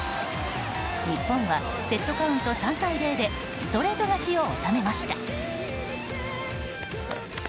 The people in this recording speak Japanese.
日本はセットカウント３対０でストレート勝ちを収めました。